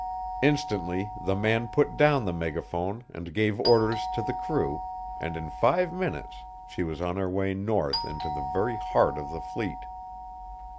Instantly the man put down the megaphone and gave orders to the crew, and in five minutes she was on her way north into the very heart of the fleet.